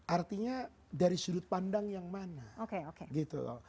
artinya dari sudut pandang yang mana